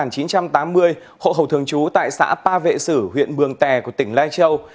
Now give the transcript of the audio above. đối tượng ly mò trừ sinh năm một nghìn chín trăm tám mươi hộ khẩu thường trú tại xã pa vệ sử huyện mường tè của tỉnh lai châu